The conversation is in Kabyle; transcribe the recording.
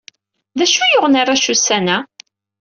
D acu i yuɣen arrac ussan-a?